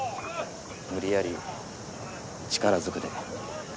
無理やり力ずくで。